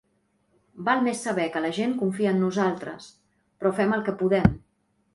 Val més saber que la gent confia en nosaltres, però fem el que podem.